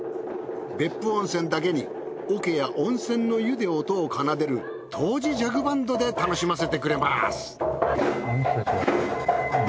別府温泉だけに桶や温泉の湯で音を奏でる湯治ジャグバンドで楽しませてくれます。